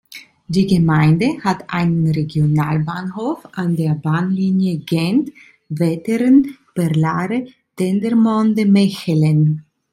Die Gemeinde hat einen Regionalbahnhof an der Bahnlinie Gent-Wetteren-Berlare-Dendermonde-Mechelen.